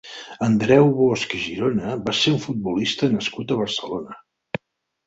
Andreu Bosch i Girona va ser un futbolista nascut a Barcelona.